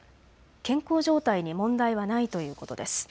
健康状態に問題はないということです。